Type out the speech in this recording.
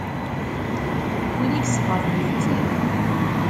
Win i iṣebbren yettaf.